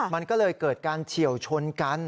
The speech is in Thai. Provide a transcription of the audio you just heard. มันก็เลยเกิดการเฉียวชนกัน